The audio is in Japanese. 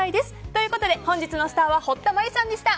ということで本日のスターは堀田真由さんでした。